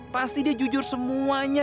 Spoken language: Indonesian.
pasti dia jujur semuanya